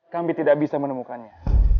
kami tidak bisa menemukannya